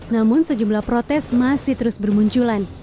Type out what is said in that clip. namun sejumlah protes masih terus bermunculan